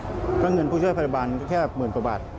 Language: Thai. เพราะเงินผู้ช่วยพยาบาลแค่หมื่นกว่าบาท